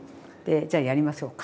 じゃやりましょうか。